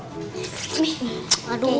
nih aduh ini enak